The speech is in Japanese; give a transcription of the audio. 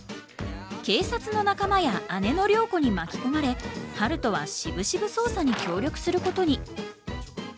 警察の仲間や姉の涼子に巻き込まれ春風はしぶしぶ捜査に協力することに。